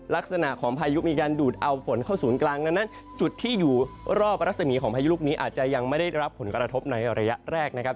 ลักษณะของพายุมีการดูดเอาฝนเข้าศูนย์กลางดังนั้นจุดที่อยู่รอบรัศมีของพายุลูกนี้อาจจะยังไม่ได้รับผลกระทบในระยะแรกนะครับ